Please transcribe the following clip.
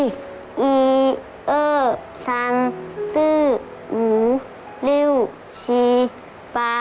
อีเอ่อซังตื้อหูริ่วชีป่า